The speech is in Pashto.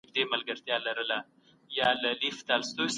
د ټولني د تعاون روحیه ژوندۍ وساتئ.